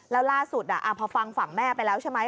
แล้วล่าสุดพอฟังฝั่งแม่ไปแล้วใช่ไหม